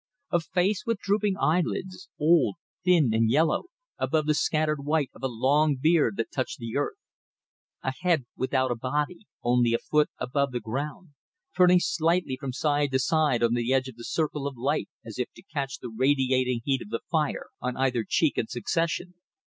A face with drooping eyelids, old, thin, and yellow, above the scattered white of a long beard that touched the earth. A head without a body, only a foot above the ground, turning slightly from side to side on the edge of the circle of light as if to catch the radiating heat of the fire on either cheek in succession.